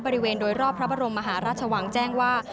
บริเวณโดยรอบพระบรมมหาราชวังแจ้งว่า